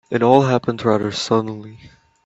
It all happened rather suddenly.